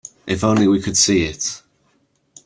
If only we could see it.